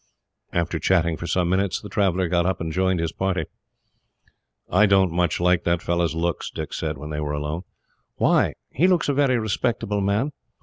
After chatting for some minutes, the traveller got up and joined his party. "I don't much like that fellow's looks," Dick said, when they were alone. "Why? He looks a very respectable man."